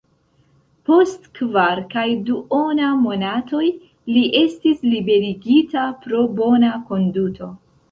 Post kvar kaj duona monatoj li estis liberigita pro bona konduto.